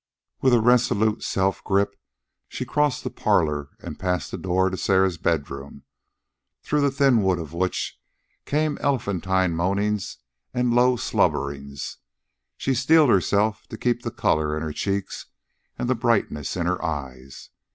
With a resolute self grip, as she crossed the parlor and passed the door to Sarah's bedroom, through the thin wood of which came elephantine moanings and low slubberings, she steeled herself to keep the color in her cheeks and the brightness in her eyes.